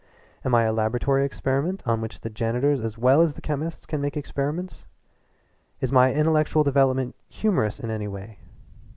Am I a laboratory experiment on which the janitors as well as the chemists can make experiments? Is my intellectual development humorous in any way?